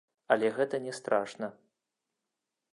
Але гэта не страшна.